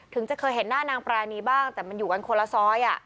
จะเคยเห็นหน้านางปรานีบ้างแต่มันอยู่กันคนละซอย